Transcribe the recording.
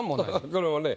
これはね